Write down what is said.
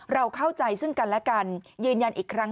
เราเข้าใจซึ่งกันและกัน